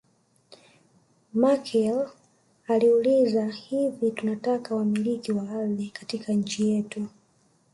Machel aliuliza hivi tunataka wamiliki wa ardhi katika nchi yetu